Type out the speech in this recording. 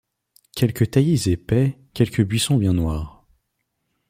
Quelque taillis épais, quelque buisson bien noir